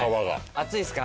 熱いですか？